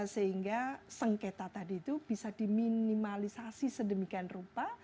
sehingga sengketa tadi itu bisa diminimalisasi sedemikian rupa